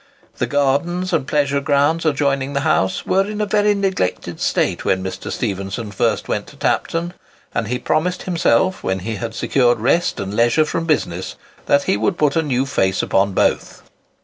The gardens and pleasure grounds adjoining the house were in a very neglected state when Mr. Stephenson first went to Tapton; and he promised himself, when he had secured rest and leisure from business, that he would put a new face upon both.